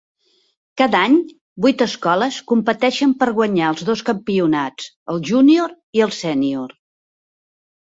Cada any, vuit escoles competeixen per guanyar els dos campionats: el júnior i el sénior.